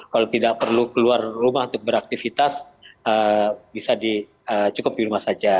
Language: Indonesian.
kalau tidak perlu keluar rumah untuk beraktivitas bisa cukup di rumah saja